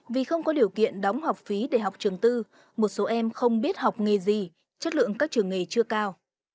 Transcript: vì không có điều kiện đóng học phí để học trường tư một số em không biết học nghề gì chất lượng các trường nghề chưa cao